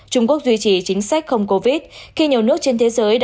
trung quốc duy trì chính sách không covid khi nhiều nước trên thế giới